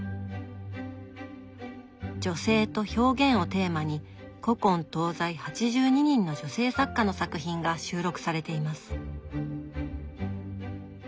女性と表現をテーマに古今東西８２人の女性作家の作品が収録されています。